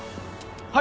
はい。